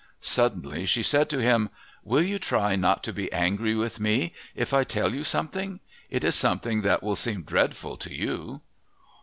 Suddenly she said to him, "Will you try not to be angry with me, if I tell you something? It is something that will seem dreadful to you."